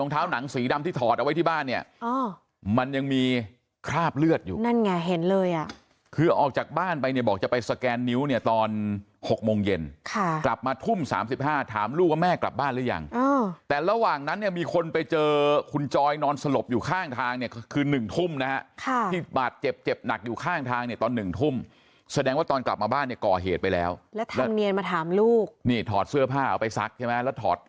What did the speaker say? ที่ถอดเอาไว้ที่บ้านเนี่ยมันยังมีคราบเลือดอยู่นั่นไงเห็นเลยอ่ะคือออกจากบ้านไปเนี่ยบอกจะไปสแกนนิ้วเนี่ยตอน๖โมงเย็นค่ะกลับมาทุ่ม๓๕ถามลูกว่าแม่กลับบ้านหรือยังแต่ระหว่างนั้นเนี่ยมีคนไปเจอคุณจอยนอนสลบอยู่ข้างทางเนี่ยคือ๑ทุ่มนะฮะที่ปาดเจ็บเจ็บหนักอยู่ข้างทางเนี่ยตอน๑ทุ่มแสด